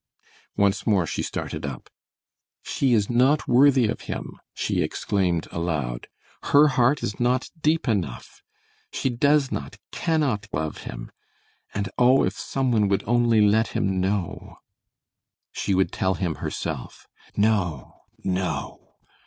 Once more she started up. "She is not worthy of him!" she exclaimed, aloud; "her heart is not deep enough; she does not, cannot love him, and oh, if some one would only let him know!" She would tell him herself. No! No!